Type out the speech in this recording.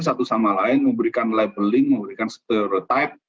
satu sama lain memberikan labeling memberikan stereotype